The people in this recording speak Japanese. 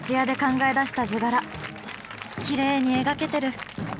きれいに描けてる。